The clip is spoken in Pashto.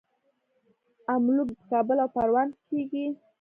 املوک په کابل او پروان کې کیږي.